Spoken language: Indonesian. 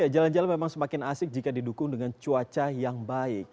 jalan jalan memang semakin asik jika didukung dengan cuaca yang baik